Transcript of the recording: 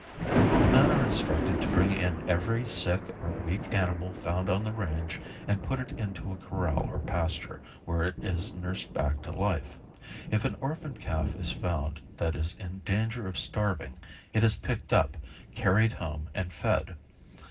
The men are instructed to bring in every sick or weak animal found on the range and put it into a corral or pasture, where it is nursed back to life. If an orphan calf is found that is in danger of starving it is picked up, carried home and fed.